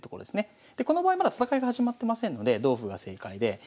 でこの場合まだ戦いが始まってませんので同歩が正解で。